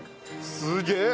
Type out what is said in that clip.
すげえ！